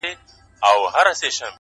صبر د نامعلومو لارو ملګری دی!.